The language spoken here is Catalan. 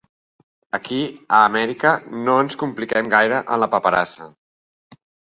Aquí a Amèrica no ens compliquem gaire en la paperassa.